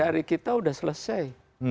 dari kita sudah selesai